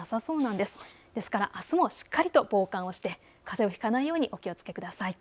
ですから、あすもしっかりと防寒をして、かぜをひかないようにお気をつけください。